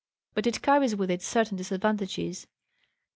But it carries with it certain disadvantages.